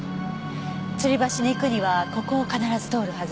つり橋に行くにはここを必ず通るはず。